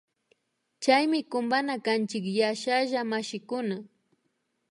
Chaymi kumpana kanchik yashalla mashikuna